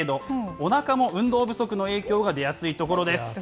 おなかも運動不足の影響が出やすそうですよ。